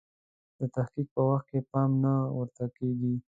د تحقیق په وخت کې پام نه ورته کیږي.